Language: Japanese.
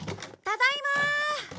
ただいま！